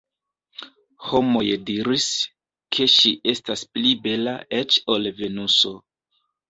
Homoj diris, ke ŝi estas pli bela eĉ ol Venuso.